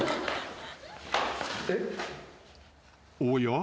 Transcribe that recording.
［おや？